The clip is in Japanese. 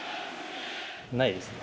ないですね。